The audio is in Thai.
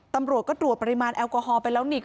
ตำรวจก็ตรวจปริมาณแอลกอฮอล์ไปแล้วนี่